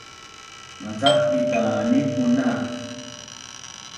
macakbit ta nipun nak